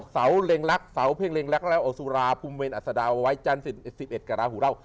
สาวเล็งรักสาวเพิ่งเล็งรักแล้วโอสุราพุมเวรอัสดาวไว้จันทร์๑๑กราฮุราว